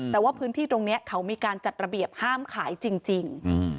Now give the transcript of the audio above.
แต่ว่าพื้นที่ตรงนี้เขามีการจัดระเบียบห้ามขายจริง